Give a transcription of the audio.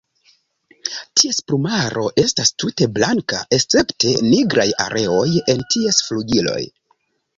Ties plumaro estas tute blanka escepte nigraj areoj en ties flugiloj.